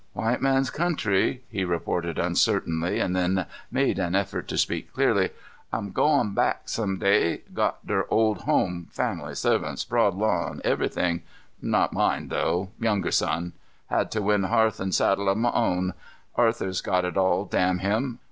"White man's country," he repeated uncertainly, and then made an effort to speak clearly. "I'm goin' back some day. Got dear old home, family servants, broad lawn everything. Not mine though. Younger son. Had to win hearth an' saddle of m'own. Arthur's got it all, damn him.